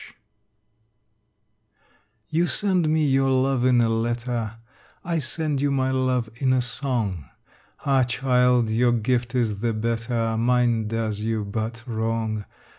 XXIX You send me your love in a letter, I send you my love in a song: Ah child, your gift is the better, Mine does you but wrong.